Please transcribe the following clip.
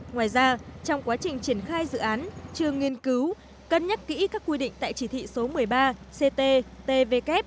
ngoài ra trong quá trình triển khai dự án trường nghiên cứu cân nhắc kỹ các quy định tại chỉ thị số một mươi ba ct tvk